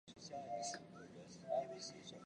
可重入互斥锁也称递归互斥锁。